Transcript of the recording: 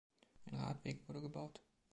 Ein Radweg wurde gebaut.